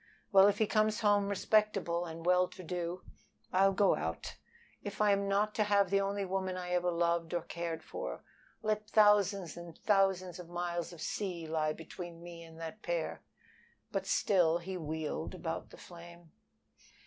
Well, if he comes home respectable and well to do I'll go out. If I am not to have the only woman I ever loved or cared for, let thousands and thousands of miles of sea lie between me and that pair." But still he wheeled about the flame.